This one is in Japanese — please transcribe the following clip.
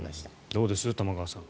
どうです、玉川さん。